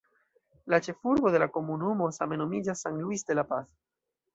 La ĉefurbo de la komunumo same nomiĝas "San Luis de la Paz".